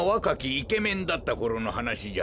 イケメンだったころのはなしじゃ。